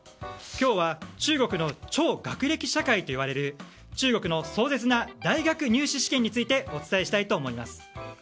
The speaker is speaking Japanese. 今日は中国の超学歴社会といわれる中国の壮絶な大学入試試験についてお伝えしたいと思います。